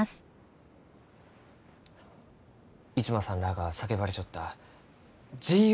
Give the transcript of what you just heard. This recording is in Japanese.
逸馬さんらあが叫ばれちょった「自由」